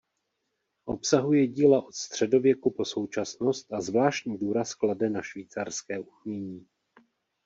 Obsahuje díla od středověku po současnost a zvláštní důraz klade na švýcarské umění.